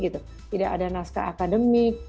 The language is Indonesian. tidak ada naskah akademik